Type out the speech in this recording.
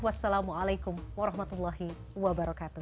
wassalamualaikum warahmatullahi wabarakatuh